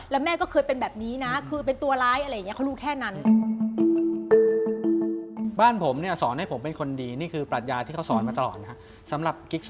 แต่พอมีท่าขึ้นมาปุ๊บ